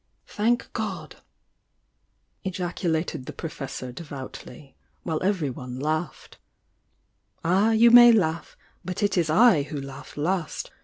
"Thank God!" ejaculated the Professor, devoutly, —while everybody laughed. "Ah, you may laugh! But it is I who laugh last!